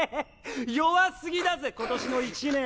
弱すぎだぜ今年の１年。